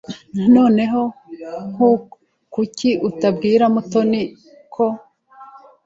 Noneho kuki utabwira Mutoni ko?